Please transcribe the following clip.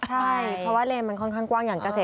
ใช่เพราะว่าเลนมันค่อนข้างกว้างอย่างเกษตร